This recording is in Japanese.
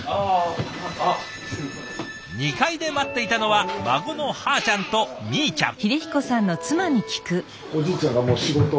２階で待っていたのは孫のはーちゃんとみーちゃん。